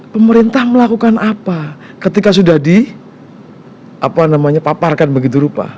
pemerintah melakukan apa ketika sudah di apa namanya paparkan begitu rupa